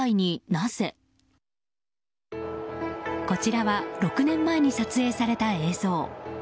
こちらは６年前に撮影された映像。